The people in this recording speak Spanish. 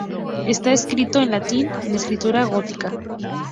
Está escrito en latín, en escritura gótica.